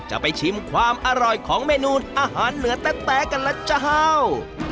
จะไปชิมความอร่อยของเมนูอาหารเหนือแต๊ะกันล่ะเจ้า